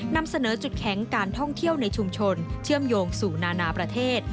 นำเสนอจุดแข็งการท่องเที่ยวในชุมชนเชื่อมโยงสู่นานาประเทศ